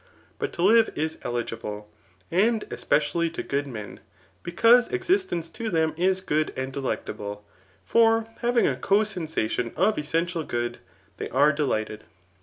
But to live is eligible, and especially to good men, because existence to them is good and delectable; for, having a co sensadon of essential good, they are delighted.